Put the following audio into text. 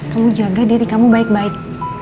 kamu jaga diri kamu baik baik